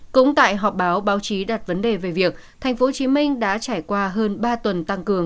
cũng tại họp báo báo chí đặt vấn đề về việc tp hcm đã trải qua hơn ba tuần tăng cường